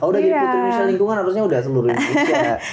kalau sudah di putri indonesia lingkungan harusnya sudah seluruh indonesia